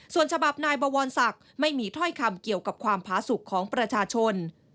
ส่วนฉบับนายบวรศักดิ์ไม่มีถ้อยคำเกี่ยวกับความผาสุขของประชาชน